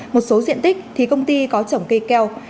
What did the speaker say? một số diện tích thì công ty có trồng cây keo